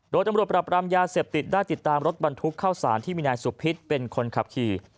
โดยตำรวจปรับรามยาเสพติดได้ติดตามรถบรรทุกเข้าสารที่มีนายสุพิษเป็นคนขับขี่